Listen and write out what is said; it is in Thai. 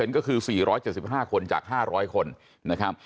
ก็คือ๔๗๕คนจาก๕๐๐คนนะครับ